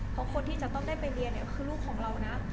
เพราะคนที่จะต้องได้ไปเรียนเนี่ยคือลูกของเรานะ